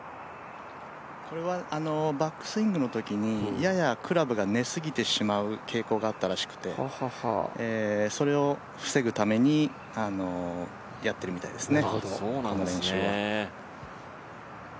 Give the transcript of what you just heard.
バックスイングのときにややクラブが寝すぎてしまう傾向があったらしくてそれを防ぐためにやっているみたいですね、この練習は。